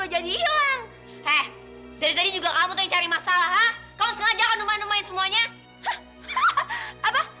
ada time program juga kamu tuh mencari masalah kau sengaja renungan main semuanya apa